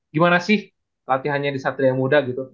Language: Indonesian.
gimana sih latihannya di satria muda gitu